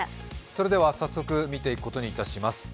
それでは早速見ていくことにいたします。